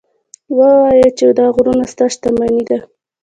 ووایه چې دا غرونه ستا شتمني ده.